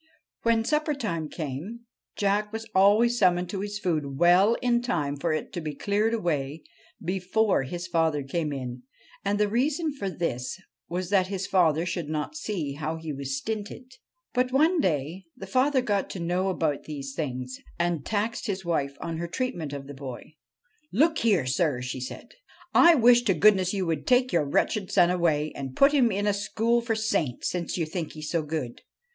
When supper time came, Jack was always summoned to his food well in time for it to be cleared away before his father came in ; and the reason for this was that his father should not see how he was stinted. 119 THE FRIAR AND THE BOY But one day the father got to know about these things, and taxed his wife on her treatment of the boy. ' Look here, sir,' said she, ' I wish to goodness you would take your wretched son away and put him in a school for saints, since you think he is so good.